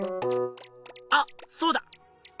あっそうだ！